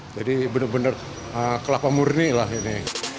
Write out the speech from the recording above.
jadi benar benar kelapa murni lah ini